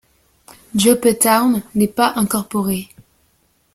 Joppatowne n'est pas incorporée.